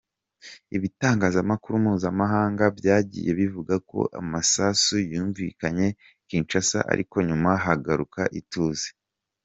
Ibitangazamakuru mpuzamahanga byagiye bivuga ko amasasu yumvikanye I Kinshasa ariko nyuma hagaruka ituze.